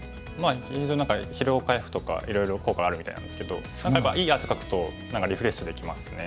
非常に何か疲労回復とかいろいろ効果あるみたいなんですけどいい汗かくとリフレッシュできますね。